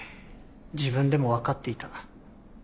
自分でも分かっていた。